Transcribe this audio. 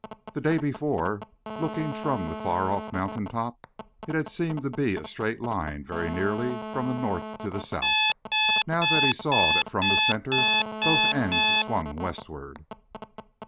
The day before, looking from the far off mountaintop, it had seemed to be a straight line very nearly, from the north to the south; now he saw that from the center both ends swung westward.